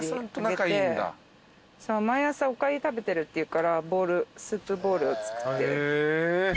毎朝おかゆ食べてるって言うからスープボウルを作って。